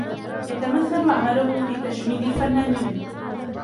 يتمثل عملهم في تجميل الفنانين.